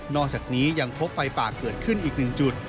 อกจากนี้ยังพบไฟป่าเกิดขึ้นอีกหนึ่งจุด